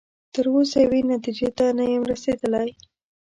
تر اوسه یوې نتیجې ته نه یم رسیدلی.